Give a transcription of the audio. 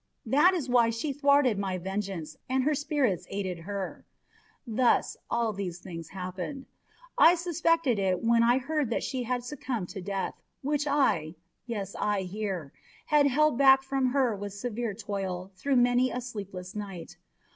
That is why she thwarted my vengeance, and her spirits aided her. Thus all these things happened. I suspected it when I heard that she had succumbed to death, which I yes, I here had held back from her with severe toil through many a sleepless night.